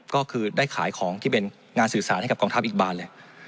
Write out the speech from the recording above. ก็คือได้ขายของที่เป็นงานสื่อสารให้กับกองทัพอีกบานเลย